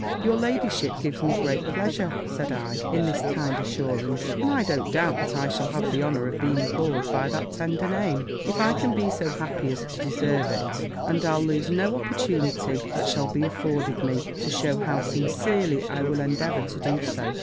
"Your ladyship gives me great pleasure," said I, "in this kind assurance; and I don't doubt but I shall have the honour of being called by that tender name, if I can be so happy as to deserve it; and I'll lose no opportunity that shall be afforded me, to show how sincerely I will endeavour to do so."